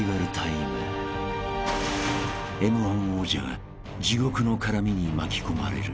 ［Ｍ−１王者が地獄の絡みに巻き込まれる］